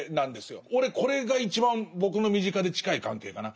俺これが一番僕の身近で近い関係かな。